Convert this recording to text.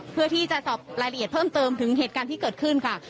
เพื่อที่จะสอบรายละเอียดเพิ่มเติมถึงเหตุการณ์ที่เกิดขึ้นค่ะ